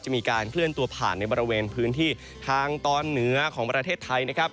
มีการเคลื่อนตัวผ่านในบริเวณพื้นที่ทางตอนเหนือของประเทศไทยนะครับ